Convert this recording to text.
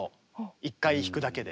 １回弾くだけで。